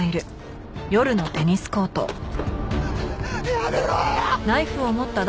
やめろ！